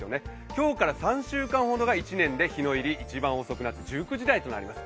今日から３週間ほどが１年で日の入り、一番遅くなって１９時台となります。